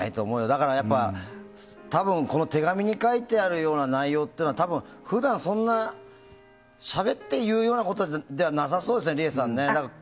だから、多分この手紙に書いてあるような内容は普段、そんなにしゃべって言うようなことではなさそうですよねリエさんね。